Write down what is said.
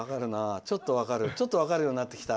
ちょっと分かるようになってきた。